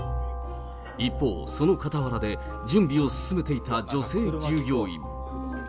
一方、その傍らで準備を進めていた女性従業員。